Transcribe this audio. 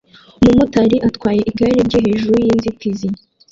Umumotari atwara igare rye hejuru yinzitizi